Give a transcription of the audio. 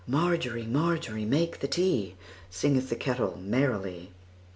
Margery, Margery, make the tea, Singeth the kettle merrily.